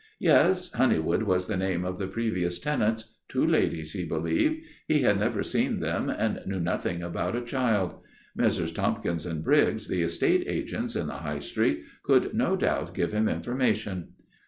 Yes, Honeywood was the name of the previous tenants. Two ladies, he believed. He had never seen them and knew nothing about a child. Messrs. Tompkin & Briggs, the estate agents in the High Street, could no doubt give him information.